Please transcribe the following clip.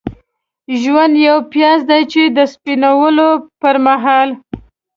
ژوند یو پیاز دی چې د سپینولو پرمهال.